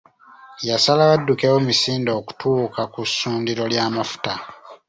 Yasalawo addukewo misinde okutuuka ku ssundiro ly’amafuta.